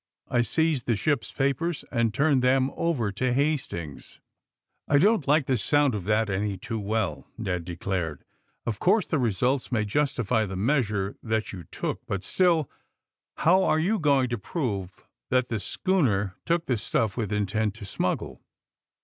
I seized the ship's papers and turned them over to Hastings. '' "I don't like the sound of that any too well/' Ned declared. "Of course the results may justify the measures that you took. But still, how are you going to prove that the schooner took the stuff with intent to smuggle!"